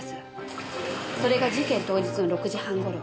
それが事件当日の６時半頃。